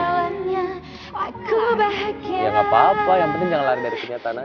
ya gak apa apa yang penting jangan lari dari kenyataan